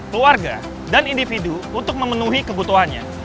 keluarga dan individu untuk memenuhi kebutuhannya